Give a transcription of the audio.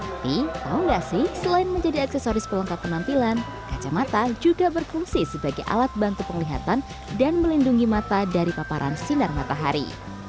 tapi tau gak sih selain menjadi aksesoris pelengkap penampilan kacamata juga berfungsi sebagai alat bantu penglihatan dan melindungi mata dari paparan sinar matahari